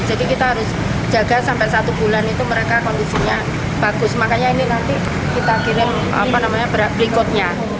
jadi kita harus jaga sampai satu bulan itu mereka kondisinya bagus makanya ini nanti kita kirim berikutnya